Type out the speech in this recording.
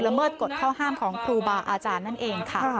เมิดกฎข้อห้ามของครูบาอาจารย์นั่นเองค่ะ